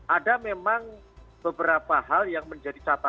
ada memang beberapa hal yang menjadi catatan